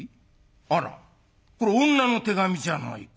あらこれ女の手紙じゃないか。